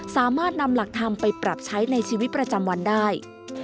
สามารถนำหลักธรรมไปปรับใช้ในชีวิตประจำวันได้